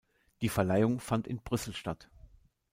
Die Verleihung fand in Brüssel statt.